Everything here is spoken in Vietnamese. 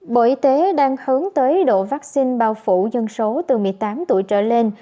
bộ y tế đang hướng tới độ vaccine bao phủ dân số từ một mươi tám tuổi trở lên